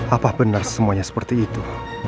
apa benar semuanya seperti itu